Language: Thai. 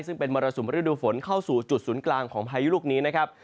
ซึ่งเป็นมรสุมฤดูฝนเข้าสู่จุดศูนย์กลางของพายุลูกนี้นะครับ